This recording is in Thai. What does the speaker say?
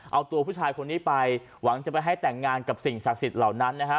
เอาตัวผู้ชายคนนี้ไปหวังจะไปให้แต่งงานกับสิ่งศักดิ์สิทธิ์เหล่านั้นนะฮะ